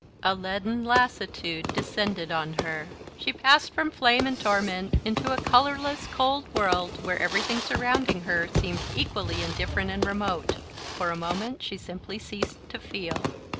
A leaden lassitude descended on her. She passed from flame and torment into a colourless cold world where everything surrounding her seemed equally indifferent and remote. For a moment she simply ceased to feel.